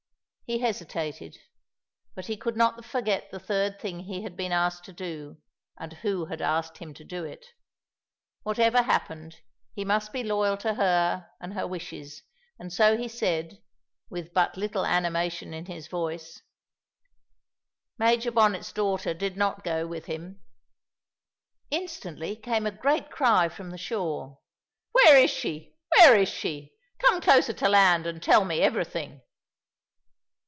He hesitated, but he could not forget the third thing he had been asked to do, and who had asked him to do it. Whatever happened, he must be loyal to her and her wishes, and so he said, with but little animation in his voice, "Major Bonnet's daughter did not go with him." Instantly came a great cry from the shore. "Where is she? Where is she? Come closer to land and tell me everything!"